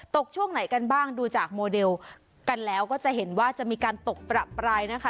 ช่วงไหนกันบ้างดูจากโมเดลกันแล้วก็จะเห็นว่าจะมีการตกประปรายนะคะ